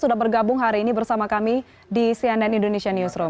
sudah bergabung hari ini bersama kami di cnn indonesia newsroom